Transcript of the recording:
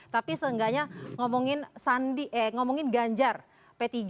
tapi seenggaknya ngomongin ganjar p tiga